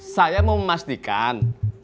saya mau memastikan